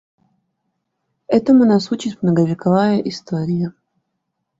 Этому нас учит многовековая история.